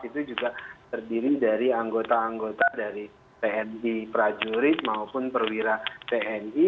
itu juga terdiri dari anggota anggota dari tni prajurit maupun perwira tni